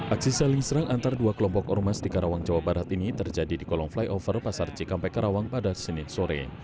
aksi saling serang antara dua kelompok ormas di karawang jawa barat ini terjadi di kolong flyover pasar cikampek karawang pada senin sore